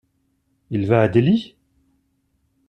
Il va à Delhi ?